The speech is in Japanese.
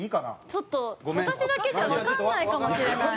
ちょっと私だけじゃわかんないかもしれない。